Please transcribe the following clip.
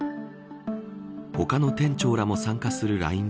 他の店長らも参加するＬＩＮＥ